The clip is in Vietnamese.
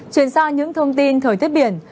chuyển sang những thông tin thời tiết biển